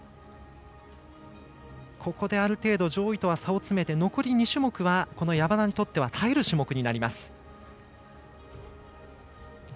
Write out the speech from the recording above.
ここで、ある程度上位とは差をつけて残り２種目はこの山田にとっては耐える種目になります。